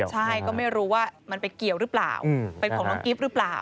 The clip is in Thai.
ใช่ก็ไม่รู้ว่ามันไปเกี่ยวหรือเปล่าเป็นของน้องกิฟต์หรือเปล่า